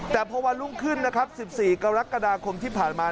แต่พอวันรุ่งขึ้นนะครับ๑๔กรกฎาคมที่ผ่านมา